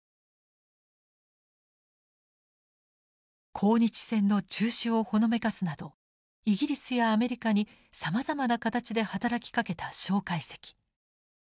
抗日戦の中止をほのめかすなどイギリスやアメリカにさまざまな形で働きかけた介石。